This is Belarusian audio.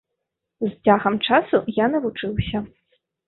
З цягам часу я навучыўся.